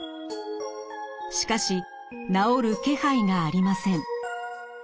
しかし治る気配がありません。